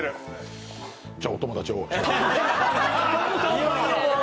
じゃ、お友達を。